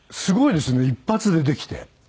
すごいですね一発でできて。